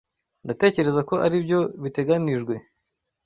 Ndatekereza ko aribyo biteganijwe.